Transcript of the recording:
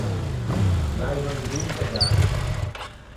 O l’aiva un dô inte gambe.